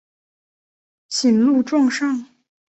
谨录状上。